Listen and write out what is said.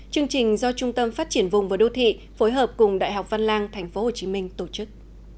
chương trình do trung tâm phát triển vùng và đô thị phối hợp cùng đại học văn lan thành phố hồ chí minh tổ chức